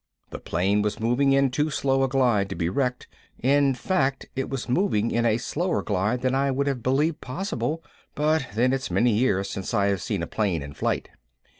The plane was moving in too slow a glide to be wrecked, in fact it was moving in a slower glide than I would have believed possible but then it's many years since I have seen a plane in flight.